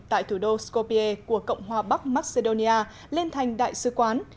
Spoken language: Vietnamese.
tại thủ đô skopia của cộng hòa bắc macedonia lên thành đại sứ quán